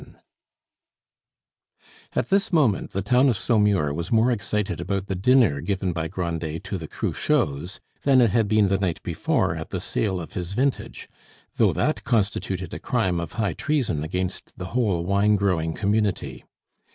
VII At this moment the town of Saumur was more excited about the dinner given by Grandet to the Cruchots than it had been the night before at the sale of his vintage, though that constituted a crime of high treason against the whole wine growing community.